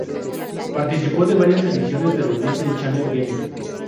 Participó de varias ediciones de los Disney Channel Games.